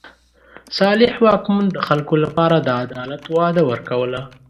صالح واکمن د خلکو لپاره د عدالت وعده ورکوله.